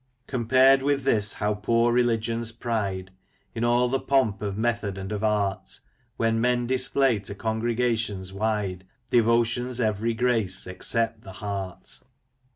Compared with this, how poor religion's pride In all the pomp of method, and of art, When men display to congregations wide Devotion's ev'ry grace, except the heart